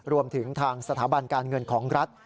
รวมถึงทางสถาบันการเงินของรัฐ